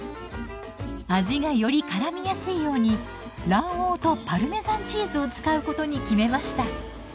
味がよりからみやすいように卵黄とパルメザンチーズを使うことに決めました。